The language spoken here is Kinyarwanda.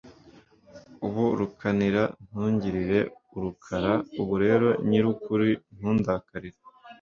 ubu rukanira ntungirire urukara: ubu rero nyiri ukuri ntundakarire